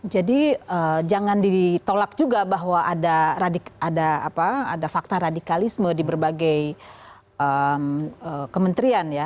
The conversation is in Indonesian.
jadi jangan ditolak juga bahwa ada fakta radikalisme di berbagai kementerian ya